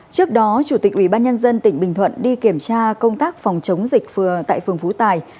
trước đó chủ tịch ubnd tỉnh bình thuận đi kiểm tra công tác phòng chống dịch tại phường phú tài